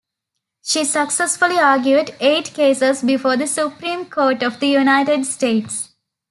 She successfully argued eight cases before the Supreme Court of the United States.